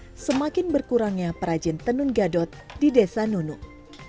salah satu alasan semakin berkurangnya perajin tenun gadot di desa nunuk